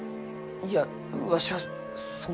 いやわしはそんな。